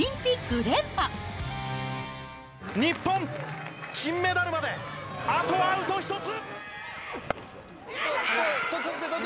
日本、金メダルまであとアウト１つ。